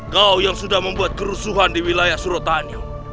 kau yang sudah membuat kerusuhan di wilayah surat tanyo